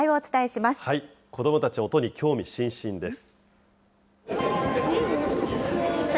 子どもたち、音に興味津々です。